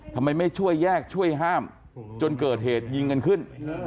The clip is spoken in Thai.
ทำไมไม่ช่วยแยกช่วยห้ามจนเกิดเหตุยิงกันขึ้น